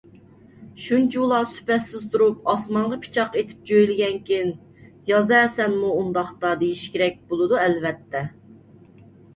شۇنچىۋالا سۈپەتسىز تۇرۇپ ئاسمانغا پىچاق ئېتىپ جۆيلىگەنكىن يازە سەنمۇ ئۇنداقتا دېيىش كېرەك بولىدۇ، ئەلۋەتتە.